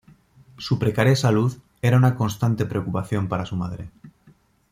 Su precaria salud, era una constante preocupación para su madre.